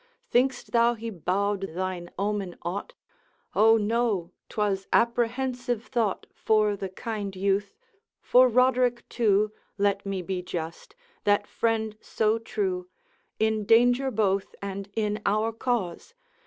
Think'st thou he bowed thine omen aught? O no' 't was apprehensive thought For the kind youth, for Roderick too Let me be just that friend so true; In danger both, and in our cause!